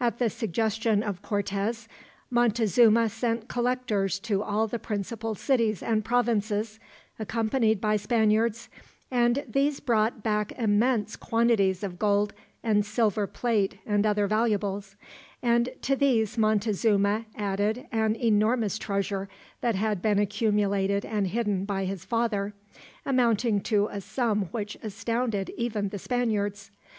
At the suggestion of Cortez, Montezuma sent collectors to all the principal cities and provinces, accompanied by Spaniards, and these brought back immense quantities of gold and silver plate and other valuables; and to these Montezuma added an enormous treasure that had been accumulated and hidden by his father, amounting to a sum which astounded even the Spaniards.